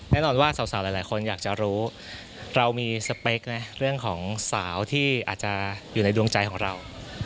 แน่นอนว่าสาวหลายคนอยากจะรู้เรามีสเปคนะเรื่องของสาวที่อาจจะอยู่ในดวงใจของเรา